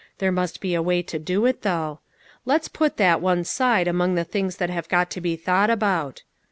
There must be a way to do it, though. Let's put that one side among the things that have got to be thought about."